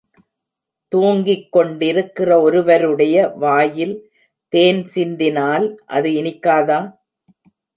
தூங்கிக் கொண்டிருக்கிற ஒருவருடைய வாயில் தேன் சிந்தினால் அது இனிக்காதா?